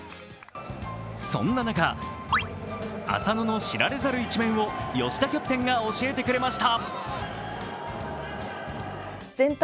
そんな中、浅野の知られざる一面を吉田キャプテンが教えてくれました。